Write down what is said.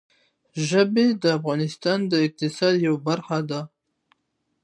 ژبې د افغانستان د اقتصاد یوه برخه ده.